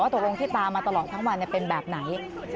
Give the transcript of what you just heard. ตกลงที่ตามมาตลอดทั้งวันเป็นแบบไหน